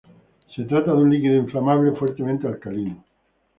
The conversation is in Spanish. Se trata de un líquido inflamable, fuertemente alcalino.